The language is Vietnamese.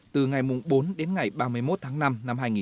từ ngày bốn đến ngày ba mươi một tháng năm năm hai nghìn hai mươi